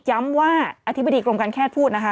ย้ำว่าอธิบดีกรมการแพทย์พูดนะคะ